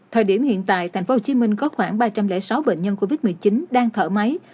thời điểm hiện tại thành phố hồ chí minh có khoảng ba trăm linh sáu bệnh nhân covid một mươi chín đang thở máy